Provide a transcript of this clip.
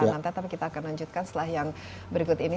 nanti tapi kita akan lanjutkan setelah yang berikut ini